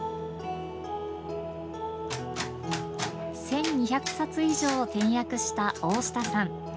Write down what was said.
１２００冊以上を点訳した大下さん。